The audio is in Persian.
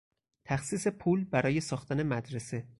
تخصیص پول برای ساختن مدرسه